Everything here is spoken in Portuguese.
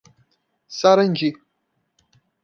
Sarandi